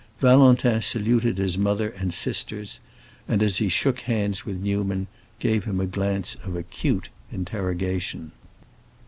Valentin saluted his mother and his sisters, and, as he shook hands with Newman, gave him a glance of acute interrogation.